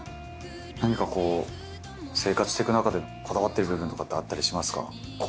何かこう生活していく中でこだわってる部分とかってあったりしますか？